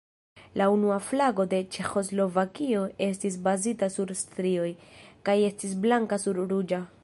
La unua flago de Ĉeĥoslovakio estis bazita sur strioj, kaj estis blanka sur ruĝa.